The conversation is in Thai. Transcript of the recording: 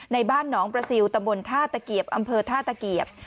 บ้านหนองประซิลตะบนท่าตะเกียบอำเภอท่าตะเกียบ